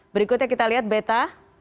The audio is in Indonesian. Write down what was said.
berikutnya kita lihat beta